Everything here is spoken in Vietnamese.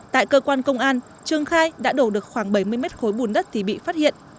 tại cơ quan công an trương khai đã đổ được khoảng bảy mươi mét khối bùn đất thì bị phát hiện